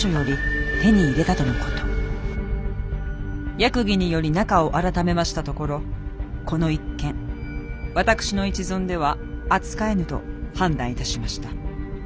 役儀により中をあらためましたところこの一件私の一存では扱えぬと判断いたしました。